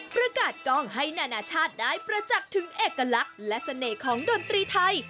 ประกาศกล้องให้นานาชาติได้ประจักษ์ถึงเอกลักษณ์และเสน่ห์ของดนตรีไทย